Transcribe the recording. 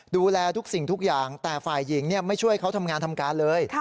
ดูแลทุกสิ่งทุกอย่างแต่ฝ่ายหญิงไม่ช่วยเขาทำงานทำการเลย